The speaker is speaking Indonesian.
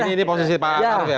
ini posisi pak arief ya